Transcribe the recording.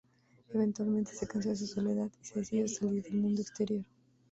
Eventualmente se cansó de su soledad y se decidió a salir al mundo exterior.